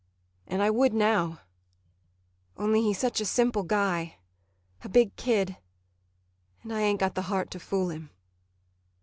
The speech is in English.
And I would now only he's such a simple guy a big kid and I ain't got the heart to fool him.